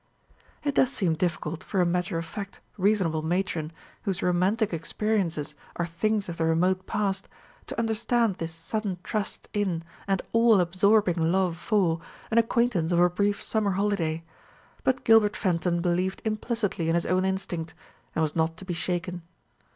It does seem difficult for a matter of fact, reasonable matron, whose romantic experiences are things of the remote past, to understand this sudden trust in, and all absorbing love for, an acquaintance of a brief summer holiday. But Gilbert Fenton believed implicitly in his own instinct, and was not to be shaken.